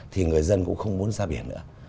thì người dân cũng không muốn ra biển nữa